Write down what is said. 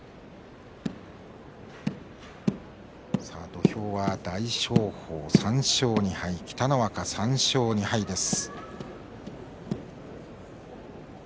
土俵は大翔鵬、３勝２敗北の若、３勝２敗です。